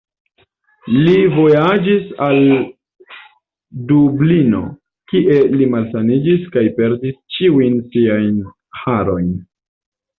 Li vojaĝis al Dublino, kie li malsaniĝis, kaj perdis ĉiujn siajn harojn.